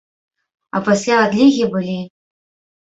А пасля адлігі былі.